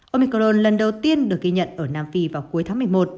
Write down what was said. omicron lần đầu tiên được ghi nhận ở nam phi vào cuối tháng một mươi một